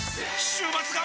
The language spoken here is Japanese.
週末が！！